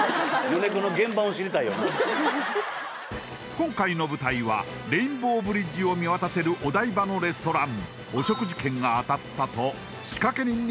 今回の舞台はレインボーブリッジを見渡せるお台場のレストラン。